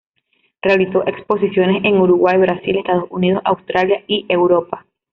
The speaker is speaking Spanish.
Realizó exposiciones en Uruguay, Brasil, Estados Unidos, Australia y Europa.